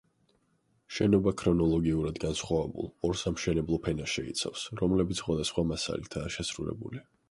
შენობა ქრონოლოგიურად განსხვავებულ, ორ სამშენებლო ფენას შეიცავს, რომელებიც სხვადასხვა მასალითაა შესრულებული.